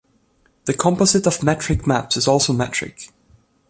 The composite of metric maps is also metric.